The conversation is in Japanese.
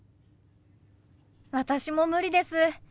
私も無理です。